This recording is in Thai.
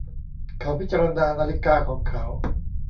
เขาพิจารณานาฬิกาของเขา